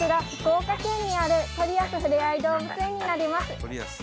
福岡県にあるトリアスふれあい動物園になります